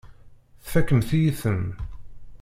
Tfakemt-iyi-ten.